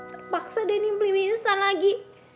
terpaksa denny beli mie instan lagi